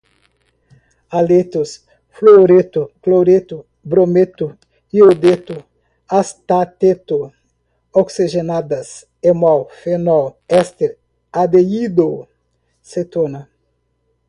haletos, fluoreto, cloreto, brometo, iodeto, astateto, oxigenadas, enol, fenol, éster, aldeído, cetona